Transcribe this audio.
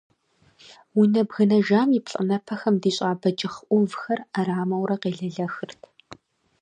Унэ бгынэжам и плӏанэпэхэм дищӏа бэджыхъ ӏувхэр ӏэрамэурэ къелэлэхырт.